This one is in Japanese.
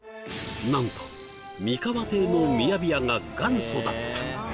なんと三河亭のミヤビヤが元祖だった！